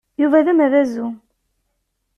Yuba d ameɛdazu.